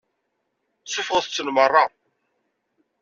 Suffɣet-ten meṛṛa.